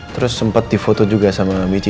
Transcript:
terus sempet difoto juga sama michi